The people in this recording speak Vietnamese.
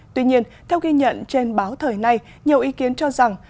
tuy nhiên theo ghi nhận trên báo thời nay nhiều ý kiến cho rằng